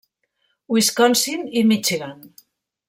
Wisconsin i Michigan.